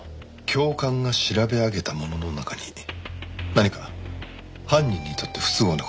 教官が調べ上げたものの中に何か犯人にとって不都合な事がある。